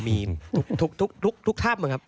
มีทุกท่าบมันครับ